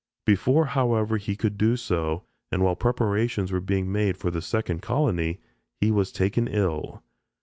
Before, however, he could do so, and while preparations were being made for the second colony, he was taken ill.